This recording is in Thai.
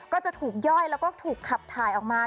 ก็จะถูกย่อยแล้วก็ถูกขับถ่ายออกมา